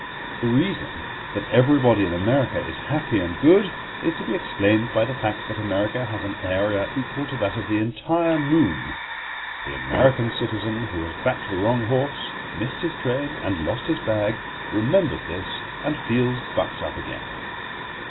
The reason that everybody in America is happy and good is to be explained by the fact that America has an area equal to that of the entire moon. The American citizen who has backed the wrong horse, missed his train and lost his bag, remembers this and feels bucked up again.